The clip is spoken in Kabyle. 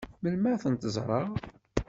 Melmi ad tent-ẓṛeɣ?